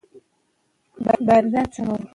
تور ګل، شين ګل، سور ګل، پهلوان، خاورين، ريدي ګل